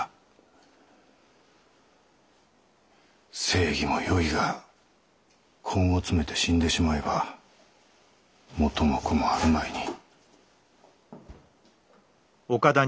正義もよいが根を詰めて死んでしまえば元も子もあるまいに。